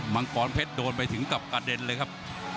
มังกรเพชรโดนไปถึงกับกระเด็นเลยครับ